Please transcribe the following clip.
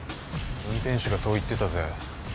運転手がそう言ってたぜ。